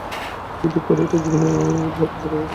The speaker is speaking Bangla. যদি করো, এটা আজীবনের মতো চলে যাবে।